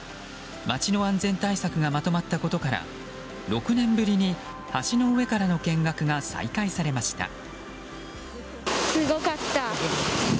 町の安全対策がまとまったことから６年ぶりに橋の上からの見学が再開されました。